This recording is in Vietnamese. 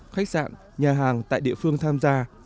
khách sạn nhà hàng tại địa phương tham gia